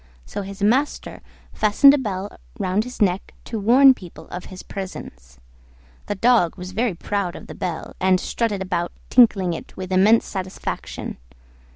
So his master fastened a bell round his neck to warn people of his presence. The Dog was very proud of the bell, and strutted about tinkling it with immense satisfaction.